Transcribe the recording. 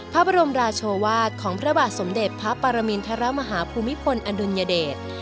พระบรมราชวาสของพระบาทสมเด็จพระปรมินทรมาฮาภูมิพลอดุลยเดช